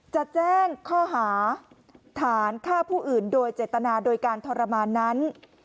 จะแจ้งข้อหาฐานฆ่าผู้อื่นโดยเจตนาโดยการทรมานนั้น